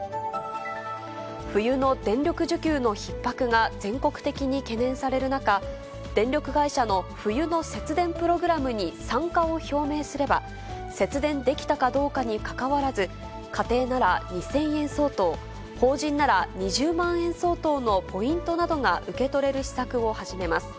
冬の電力需給のひっ迫が全国的に懸念される中、電力会社の冬の節電プログラムに参加を表明すれば、節電できたかどうかにかかわらず、家庭なら２０００円相当、法人なら２０万円相当のポイントなどが受け取れる施策を始めます。